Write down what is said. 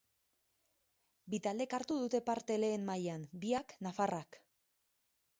Bi taldek hartu dute parte Lehen Mailan, biak nafarrak.